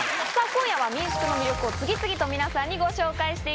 今夜は民宿の魅力を次々と皆さんにご紹介していきます。